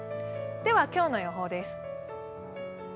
今日の予報です。